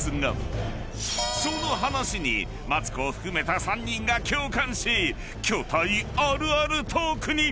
［その話にマツコを含めた３人が共感し巨体あるあるトークに］